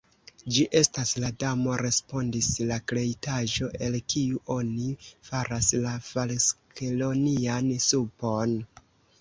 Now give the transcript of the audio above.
"Ĝi estas," la Damo respondis, "la kreitaĵo, el kiu oni faras la falskelonian supon."